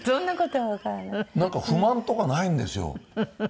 なんか不満とかないんですよ。